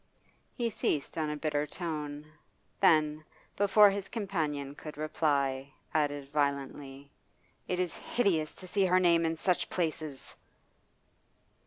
He ceased on a bitter tone, then, before his companion could reply, added violently: 'It is hideous to see her name in such places!